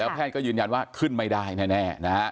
แพทย์ก็ยืนยันว่าขึ้นไม่ได้แน่